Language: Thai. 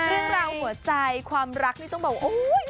เรื่องราวหัวใจความรักนี่ต้องบอกโอ้ย